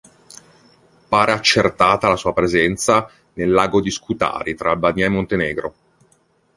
Pare accertata la sua presenza nel Lago di Scutari tra Albania e Montenegro.